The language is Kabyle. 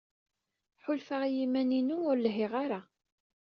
Ḥulfaɣ i yiman-inu ur lhiɣ ara.